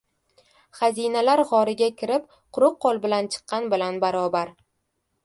xazinalar g‘origa kirib quruq qo‘l bilan chiqqan bilan barobar.